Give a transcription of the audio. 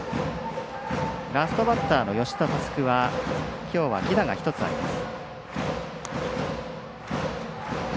ラストバッターの吉田佑久はきょうは犠打が１つあります。